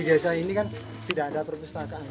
karena di desa ini kan tidak ada perpustakaan